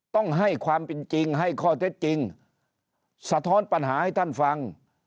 ต้องให้ความเป็นจริงให้ข้อเท็จจริงสะท้อนปัญหาให้ท่านฟัง